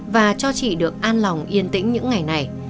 và cho chị được an lòng yên tĩnh những ngày này